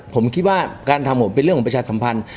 ผมคิดว่าการทำผมเป็นเรื่องของประชาสัมพันธ์